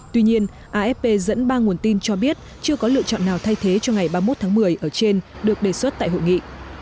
tuy nhiên afp dẫn ba nguồn tin cho biết chưa có lựa chọn nào thay thế cho ngày ba mươi một tháng một mươi ở trên được đề xuất tại hội nghị